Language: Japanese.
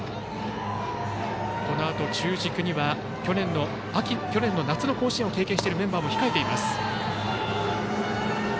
このあと中軸には去年の夏の甲子園を経験しているメンバーも控えています。